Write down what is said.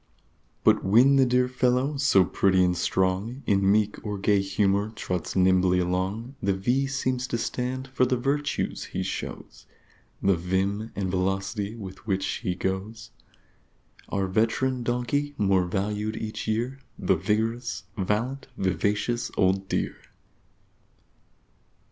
But when the dear fellow, so pretty and strong, In meek or gay humor trots nimbly along, The V seems to stand for the Virtues he shows, The Vim and Velocity with which he goes Our Veteran donkey, more Valued each year, The Vigorous, Valiant, Vivacious old dear!